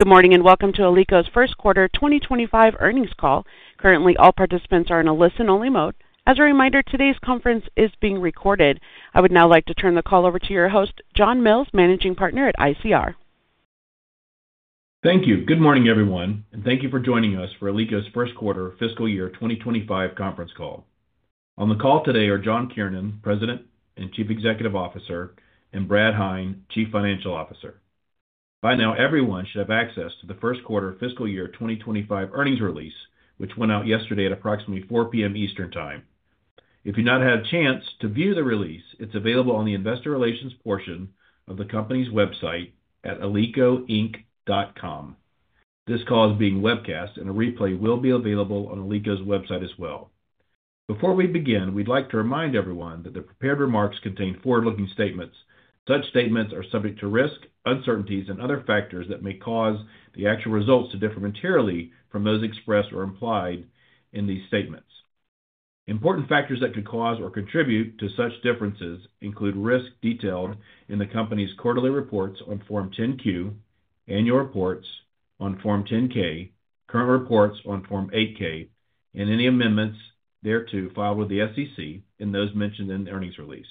Good morning and welcome to Alico's first quarter 2025 earnings call. Currently, all participants are in a listen-only mode. As a reminder, today's conference is being recorded. I would now like to turn the call over to your host, John Mills, Managing Partner at ICR. Thank you. Good morning, everyone, and thank you for joining us for Alico's first quarter fiscal year 2025 conference call. On the call today are John Kiernan, President and Chief Executive Officer, and Bradley Heine, Chief Financial Officer. By now, everyone should have access to the first quarter fiscal year 2025 earnings release, which went out yesterday at approximately 4:00 P.M. Eastern Time. If you've not had a chance to view the release, it's available on the investor relations portion of the company's website at alicoinc.com. This call is being webcast, and a replay will be available on Alico's website as well. Before we begin, we'd like to remind everyone that the prepared remarks contain forward-looking statements. Such statements are subject to risk, uncertainties, and other factors that may cause the actual results to differ materially from those expressed or implied in these statements. Important factors that could cause or contribute to such differences include risk detailed in the company's quarterly reports on Form 10-Q, annual reports on Form 10-K, current reports on Form 8-K, and any amendments thereto filed with the SEC in those mentioned in the earnings release.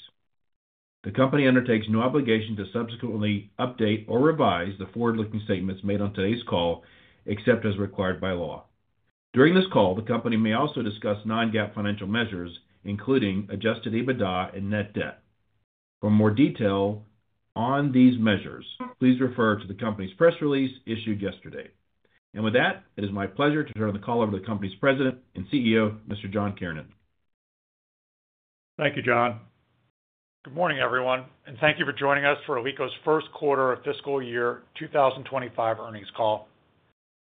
The company undertakes no obligation to subsequently update or revise the forward-looking statements made on today's call, except as required by law. During this call, the company may also discuss non-GAAP financial measures, including adjusted EBITDA and net debt. For more detail on these measures, please refer to the company's press release issued yesterday. It is my pleasure to turn the call over to the company's President and CEO, Mr. John Kiernan. Thank you, John. Good morning, everyone, and thank you for joining us for Alico's first quarter of fiscal year 2025 earnings call.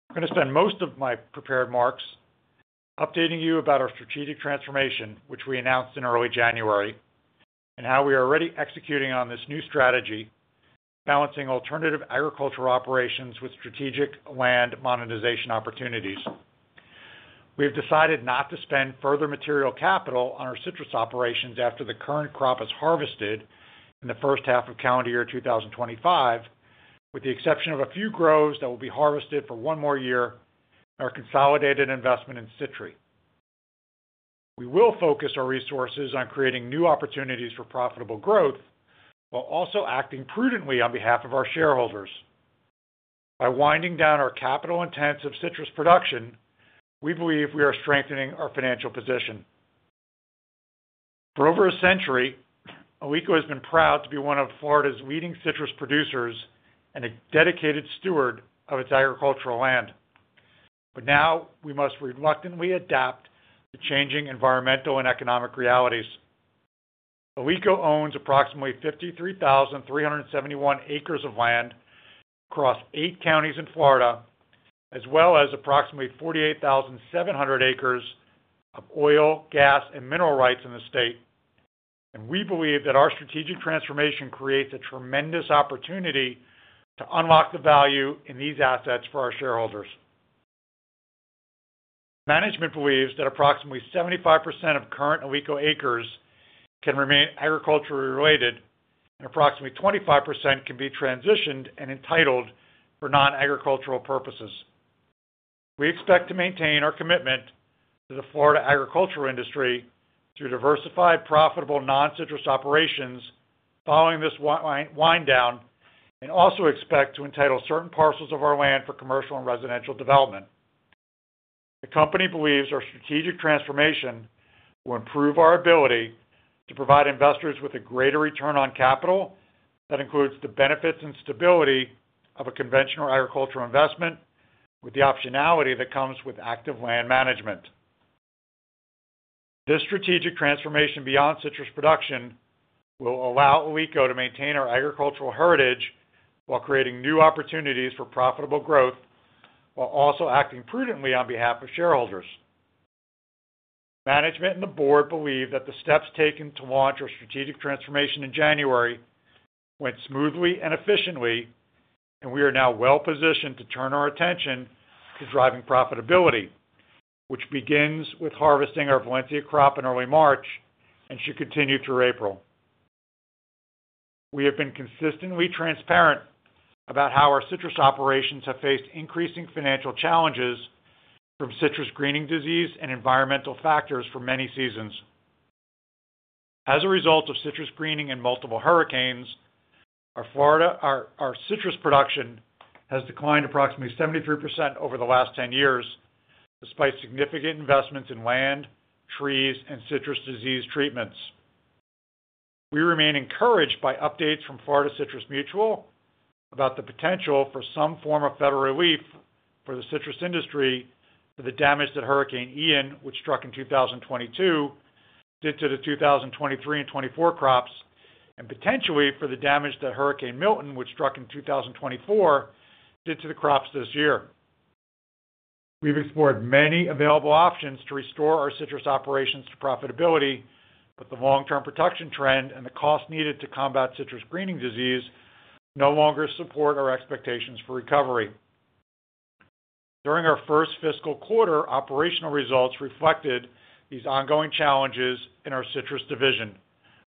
I'm going to spend most of my prepared remarks updating you about our strategic transformation, which we announced in early January, and how we are already executing on this new strategy, balancing alternative agricultural operations with strategic land monetization opportunities. We have decided not to spend further material capital on our citrus operations after the current crop is harvested in the first half of calendar year 2025, with the exception of a few groves that will be harvested for one more year, our consolidated investment in citrus. We will focus our resources on creating new opportunities for profitable growth while also acting prudently on behalf of our shareholders. By winding down our capital intensive citrus production, we believe we are strengthening our financial position. For over a century, Alico has been proud to be one of Florida's leading citrus producers and a dedicated steward of its agricultural land. Now we must reluctantly adapt to changing environmental and economic realities. Alico owns approximately 53,371 acres of land across eight counties in Florida, as well as approximately 48,700 acres of oil, gas, and mineral rights in the state. We believe that our strategic transformation creates a tremendous opportunity to unlock the value in these assets for our shareholders. Management believes that approximately 75% of current Alico acres can remain agriculturally related, and approximately 25% can be transitioned and entitled for non-agricultural purposes. We expect to maintain our commitment to the Florida agricultural industry through diversified, profitable non-citrus operations following this wind down, and also expect to entitle certain parcels of our land for commercial and residential development. The company believes our strategic transformation will improve our ability to provide investors with a greater return on capital that includes the benefits and stability of a conventional agricultural investment, with the optionality that comes with active land management. This strategic transformation beyond citrus production will allow Alico to maintain our agricultural heritage while creating new opportunities for profitable growth, while also acting prudently on behalf of shareholders. Management and the board believe that the steps taken to launch our strategic transformation in January went smoothly and efficiently, and we are now well positioned to turn our attention to driving profitability, which begins with harvesting our Valencia crop in early March and should continue through April. We have been consistently transparent about how our citrus operations have faced increasing financial challenges from citrus greening disease and environmental factors for many seasons. As a result of citrus greening and multiple hurricanes, our citrus production has declined approximately 73% over the last 10 years, despite significant investments in land, trees, and citrus disease treatments. We remain encouraged by updates from Florida Citrus Mutual about the potential for some form of federal relief for the citrus industry for the damage that Hurricane Ian, which struck in 2022, did to the 2023 and 2024 crops, and potentially for the damage that Hurricane Milton, which struck in 2024, did to the crops this year. We've explored many available options to restore our citrus operations to profitability, but the long-term production trend and the cost needed to combat citrus greening disease no longer support our expectations for recovery. During our first fiscal quarter, operational results reflected these ongoing challenges in our citrus division,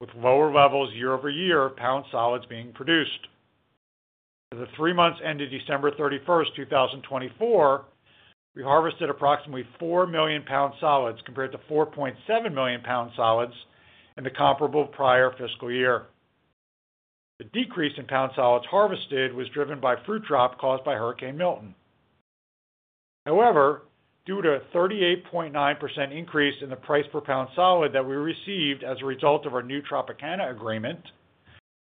with lower levels year over year of pound solids being produced. As of three months ended December 31, 2024, we harvested approximately 4 million pound solids compared to 4.7 million pound solids in the comparable prior fiscal year. The decrease in pound solids harvested was driven by fruit drop caused by Hurricane Milton. However, due to a 38.9% increase in the price per pound solid that we received as a result of our new Tropicana agreement,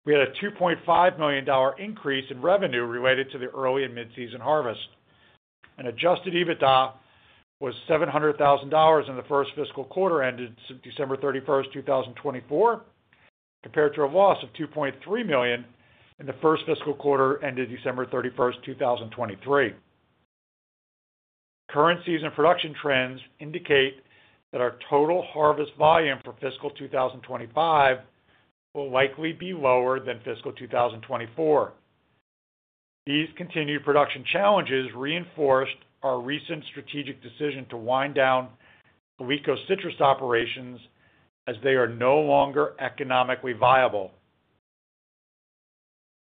we had a $2.5 million increase in revenue related to the early and mid-season harvest. Adjusted EBITDA was $700,000 in the first fiscal quarter ended December 31, 2024, compared to a loss of $2.3 million in the first fiscal quarter ended December 31, 2023. Current season production trends indicate that our total harvest volume for fiscal 2025 will likely be lower than fiscal 2024. These continued production challenges reinforced our recent strategic decision to wind down Alico's citrus operations as they are no longer economically viable.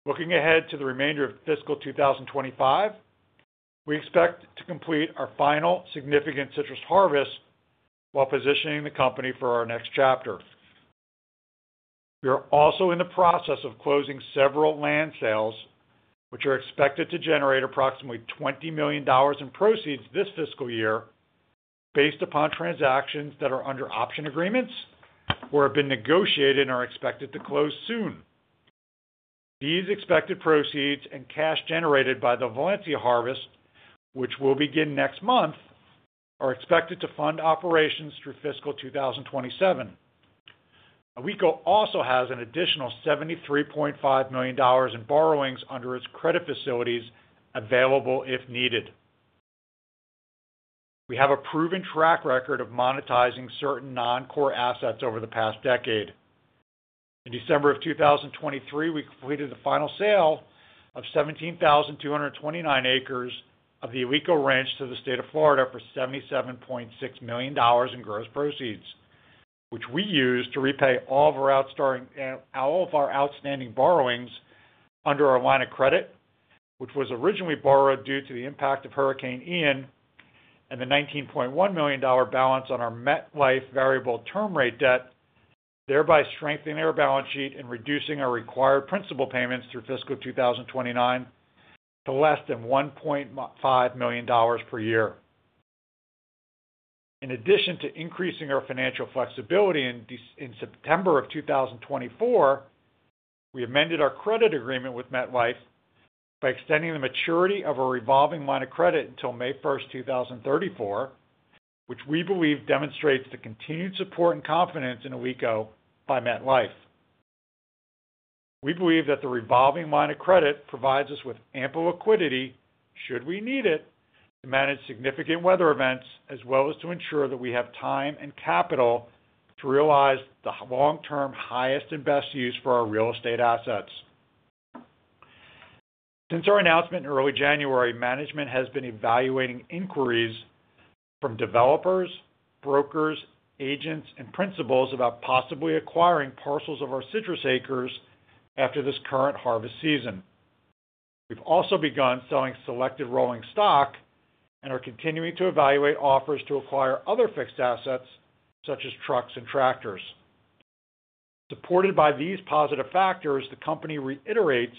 Looking ahead to the remainder of fiscal 2025, we expect to complete our final significant citrus harvest while positioning the company for our next chapter. We are also in the process of closing several land sales, which are expected to generate approximately $20 million in proceeds this fiscal year, based upon transactions that are under option agreements or have been negotiated and are expected to close soon. These expected proceeds and cash generated by the Valencia harvest, which will begin next month, are expected to fund operations through fiscal 2027. Alico also has an additional $73.5 million in borrowings under its credit facilities available if needed. We have a proven track record of monetizing certain non-core assets over the past decade. In December of 2023, we completed the final sale of 17,229 acres of the Alico Ranch to the state of Florida for $77.6 million in gross proceeds, which we used to repay all of our outstanding borrowings under our line of credit, which was originally borrowed due to the impact of Hurricane Ian, and the $19.1 million balance on our MetLife variable term rate debt, thereby strengthening our balance sheet and reducing our required principal payments through fiscal 2029 to less than $1.5 million per year. In addition to increasing our financial flexibility in September of 2024, we amended our credit agreement with MetLife by extending the maturity of our revolving line of credit until May 1, 2034, which we believe demonstrates the continued support and confidence in Alico by MetLife. We believe that the revolving line of credit provides us with ample liquidity, should we need it, to manage significant weather events, as well as to ensure that we have time and capital to realize the long-term highest and best use for our real estate assets. Since our announcement in early January, management has been evaluating inquiries from developers, brokers, agents, and principals about possibly acquiring parcels of our citrus acres after this current harvest season. We've also begun selling selected rolling stock and are continuing to evaluate offers to acquire other fixed assets, such as trucks and tractors. Supported by these positive factors, the company reiterates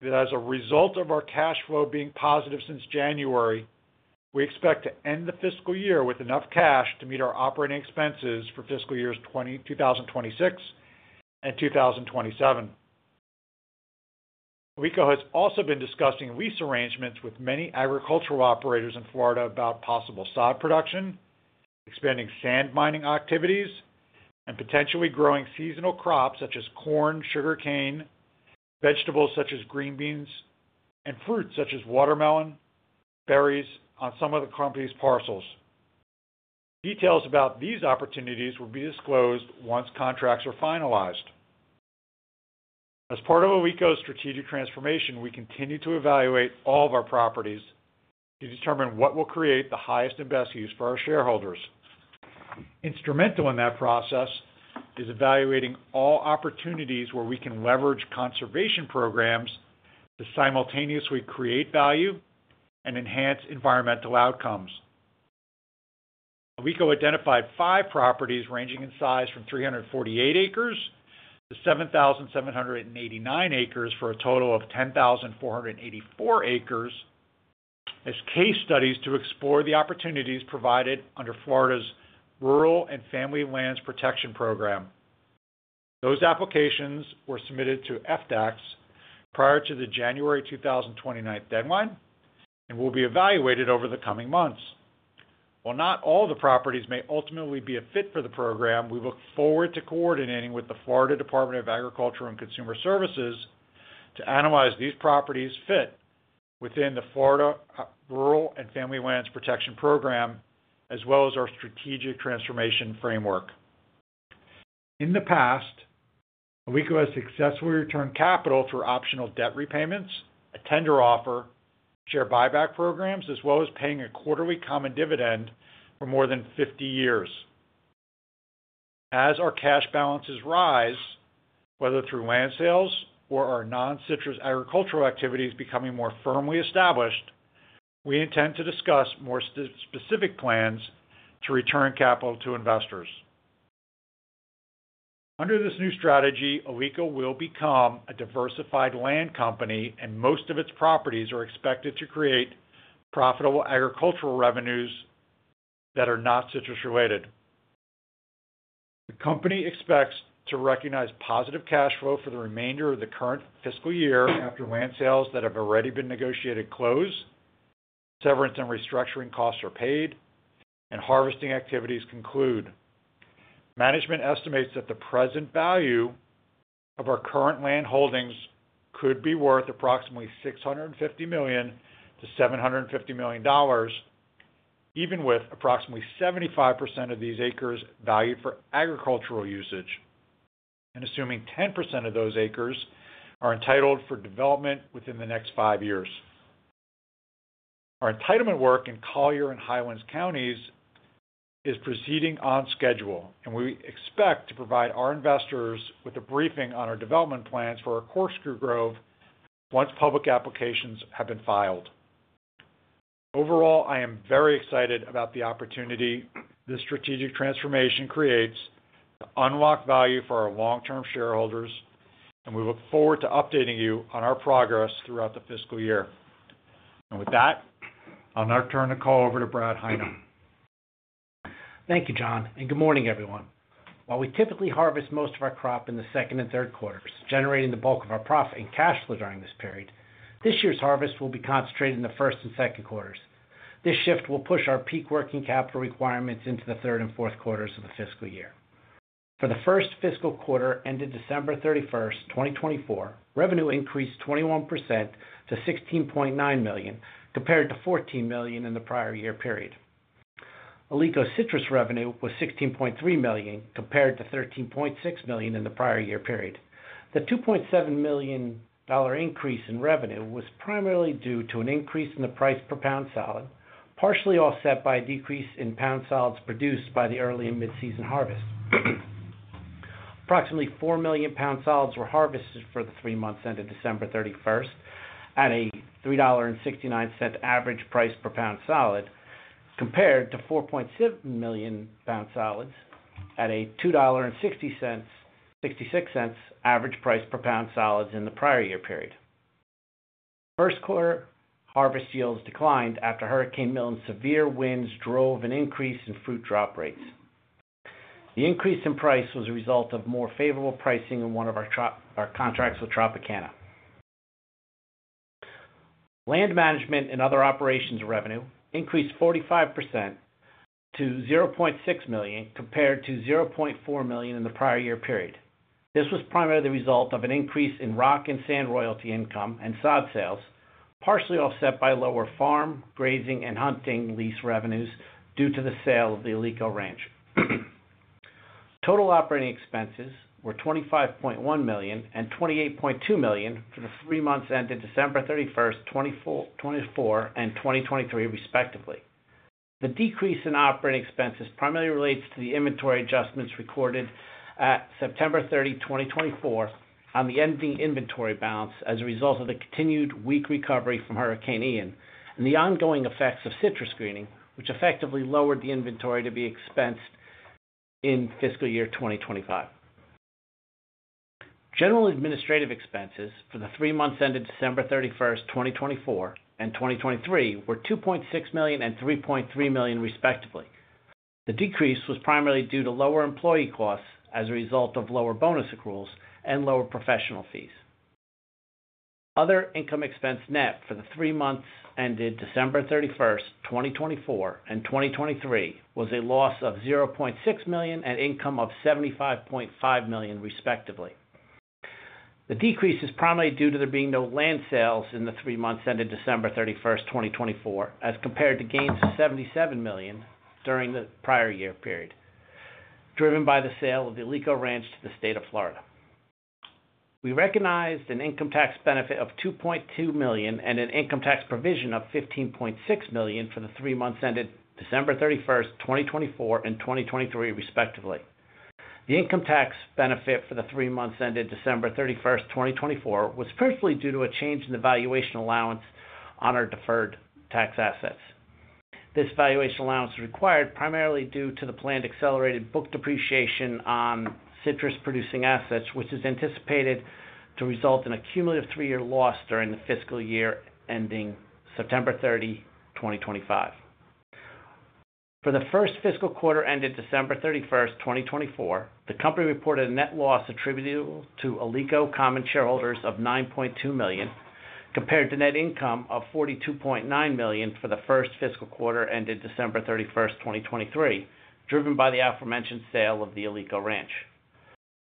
that as a result of our cash flow being positive since January, we expect to end the fiscal year with enough cash to meet our operating expenses for fiscal years 2026 and 2027. Alico has also been discussing lease arrangements with many agricultural operators in Florida about possible sod production, expanding sand mining activities, and potentially growing seasonal crops such as corn, sugarcane, vegetables such as green beans, and fruits such as watermelon, berries on some of the company's parcels. Details about these opportunities will be disclosed once contracts are finalized. As part of Alico's strategic transformation, we continue to evaluate all of our properties to determine what will create the highest and best use for our shareholders. Instrumental in that process is evaluating all opportunities where we can leverage conservation programs to simultaneously create value and enhance environmental outcomes. Alico identified five properties ranging in size from 348 acres-7,789 acres for a total of 10,484 acres as case studies to explore the opportunities provided under Florida's Rural and Family Lands Protection Program. Those applications were submitted to FDACS prior to the January 2029 deadline and will be evaluated over the coming months. While not all of the properties may ultimately be a fit for the program, we look forward to coordinating with the Florida Department of Agriculture and Consumer Services to analyze these properties fit within the Florida Rural and Family Lands Protection Program, as well as our strategic transformation framework. In the past, Alico has successfully returned capital through optional debt repayments, a tender offer, share buyback programs, as well as paying a quarterly common dividend for more than 50 years. As our cash balances rise, whether through land sales or our non-citrus agricultural activities becoming more firmly established, we intend to discuss more specific plans to return capital to investors. Under this new strategy, Alico will become a diversified land company, and most of its properties are expected to create profitable agricultural revenues that are not citrus related. The company expects to recognize positive cash flow for the remainder of the current fiscal year after land sales that have already been negotiated close, severance and restructuring costs are paid, and harvesting activities conclude. Management estimates that the present value of our current land holdings could be worth approximately $650 million-$750 million, even with approximately 75% of these acres valued for agricultural usage, and assuming 10% of those acres are entitled for development within the next five years. Our entitlement work in Collier and Highlands counties is proceeding on schedule, and we expect to provide our investors with a briefing on our development plans for our Corkscrew Grove once public applications have been filed. Overall, I am very excited about the opportunity this strategic transformation creates to unlock value for our long-term shareholders, and we look forward to updating you on our progress throughout the fiscal year. With that, I'll now turn the call over to Bradley Heine. Thank you, John, and good morning, everyone. While we typically harvest most of our crop in the second and third quarters, generating the bulk of our profit and cash flow during this period, this year's harvest will be concentrated in the first and second quarters. This shift will push our peak working capital requirements into the third and fourth quarters of the fiscal year. For the first fiscal quarter ended December 31, 2024, revenue increased 21% to $16.9 million, compared to $14 million in the prior year period. Alico's citrus revenue was $16.3 million, compared to $13.6 million in the prior year period. The $2.7 million increase in revenue was primarily due to an increase in the price per pound solid, partially offset by a decrease in pound solids produced by the early and mid-season harvest. Approximately 4 million pound solids were harvested for the three months ended December 31 at a $3.69 average price per pound solid, compared to 4.7 million pound solids at a $2.66 average price per pound solid in the prior year period. First quarter harvest yields declined after Hurricane Milton's severe winds drove an increase in fruit drop rates. The increase in price was a result of more favorable pricing on one of our contracts with Tropicana. Land management and other operations revenue increased 45% to $0.6 million, compared to $0.4 million in the prior year period. This was primarily the result of an increase in rock and sand royalty income and sod sales, partially offset by lower farm, grazing, and hunting lease revenues due to the sale of the Alico Ranch. Total operating expenses were $25.1 million and $28.2 million for the three months ended December 31, 2024, and 2023, respectively. The decrease in operating expenses primarily relates to the inventory adjustments recorded at September 30, 2024, on the ending inventory balance as a result of the continued weak recovery from Hurricane Ian and the ongoing effects of citrus greening, which effectively lowered the inventory to be expensed in fiscal year 2025. General administrative expenses for the three months ended December 31, 2024, and 2023 were $2.6 million and $3.3 million, respectively. The decrease was primarily due to lower employee costs as a result of lower bonus accruals and lower professional fees. Other income expense net for the three months ended December 31, 2024, and 2023 was a loss of $0.6 million and income of $75.5 million, respectively. The decrease is primarily due to there being no land sales in the three months ended December 31, 2024, as compared to gains of $77 million during the prior year period, driven by the sale of the Alico Ranch to the state of Florida. We recognized an income tax benefit of $2.2 million and an income tax provision of $15.6 million for the three months ended December 31, 2024, and 2023, respectively. The income tax benefit for the three months ended December 31, 2024, was principally due to a change in the valuation allowance on our deferred tax assets. This valuation allowance is required primarily due to the planned accelerated book depreciation on citrus-producing assets, which is anticipated to result in a cumulative three-year loss during the fiscal year ending September 30, 2025. For the first fiscal quarter ended December 31, 2024, the company reported a net loss attributable to Alico common shareholders of $9.2 million, compared to net income of $42.9 million for the first fiscal quarter ended December 31, 2023, driven by the aforementioned sale of the Alico Ranch.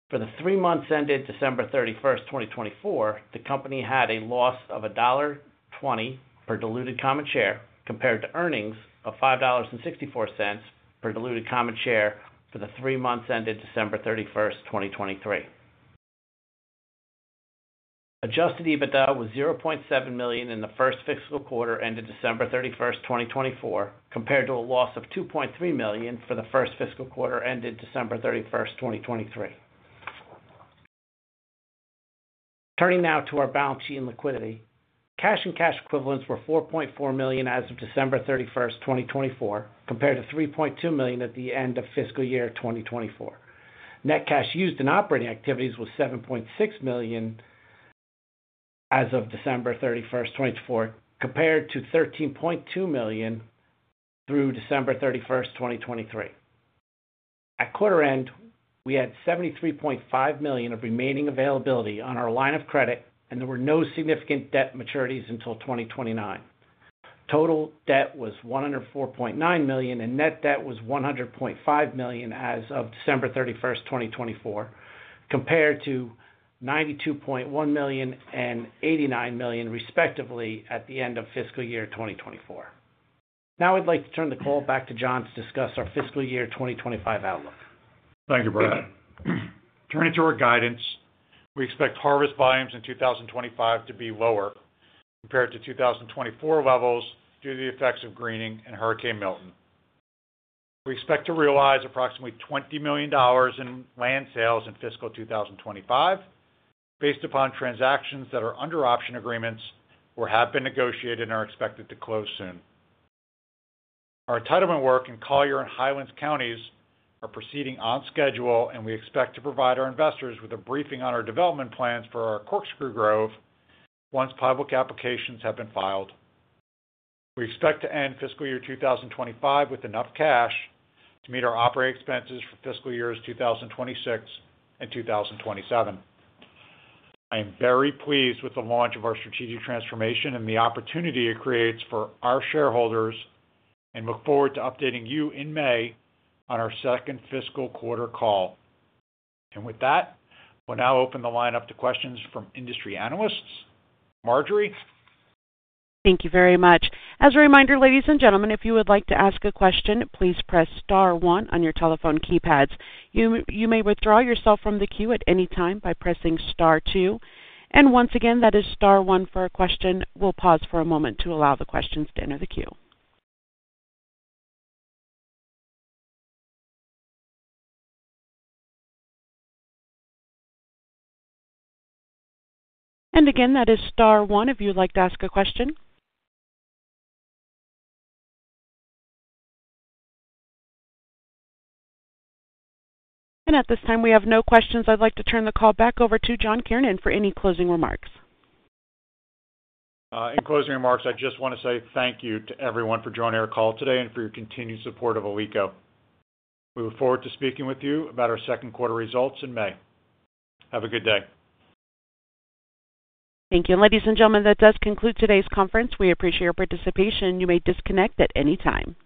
For the three months ended December 31, 2024, the company had a loss of $1.20 per diluted common share, compared to earnings of $5.64 per diluted common share for the three months ended December 31, 2023. Adjusted EBITDA was $0.7 million in the first fiscal quarter ended December 31, 2024, compared to a loss of $2.3 million for the first fiscal quarter ended December 31, 2023. Turning now to our balance sheet and liquidity, cash and cash equivalents were $4.4 million as of December 31, 2024, compared to $3.2 million at the end of fiscal year 2024. Net cash used in operating activities was $7.6 million as of December 31, 2024, compared to $13.2 million through December 31, 2023. At quarter end, we had $73.5 million of remaining availability on our line of credit, and there were no significant debt maturities until 2029. Total debt was $104.9 million, and net debt was $100.5 million as of December 31, 2024, compared to $92.1 million and $89 million, respectively, at the end of fiscal year 2024. Now I'd like to turn the call back to John to discuss our fiscal year 2025 outlook. Thank you, Bradley. Turning to our guidance, we expect harvest volumes in 2025 to be lower compared to 2024 levels due to the effects of greening and Hurricane Milton. We expect to realize approximately $20 million in land sales in fiscal 2025, based upon transactions that are under option agreements or have been negotiated and are expected to close soon. Our entitlement work in Collier and Highlands counties is proceeding on schedule, and we expect to provide our investors with a briefing on our development plans for our Corkscrew Grove once public applications have been filed. We expect to end fiscal year 2025 with enough cash to meet our operating expenses for fiscal years 2026 and 2027. I am very pleased with the launch of our strategic transformation and the opportunity it creates for our shareholders, and look forward to updating you in May on our second fiscal quarter call. With that, we'll now open the line up to questions from industry analysts. Marjorie. Thank you very much. As a reminder, ladies and gentlemen, if you would like to ask a question, please press star one on your telephone keypads. You may withdraw yourself from the queue at any time by pressing star two. Once again, that is star one for a question. We'll pause for a moment to allow the questions to enter the queue. Again, that is star one if you'd like to ask a question. At this time, we have no questions. I'd like to turn the call back over to John Kiernan for any closing remarks. In closing remarks, I just want to say thank you to everyone for joining our call today and for your continued support of Alico. We look forward to speaking with you about our second quarter results in May. Have a good day. Thank you. Ladies and gentlemen, that does conclude today's conference. We appreciate your participation. You may disconnect at any time.